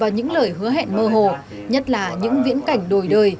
những lời hứa hẹn mơ hồ nhất là những viễn cảnh đổi đời